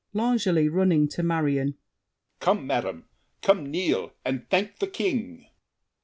L'ANGELY (running to Marion). Come, madame, Come, kneel, and thank the King.